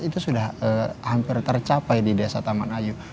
itu sudah hampir tercapai di desa taman ayu